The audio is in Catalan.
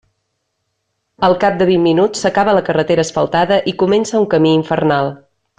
Al cap de vint minuts s'acaba la carretera asfaltada i comença un camí infernal.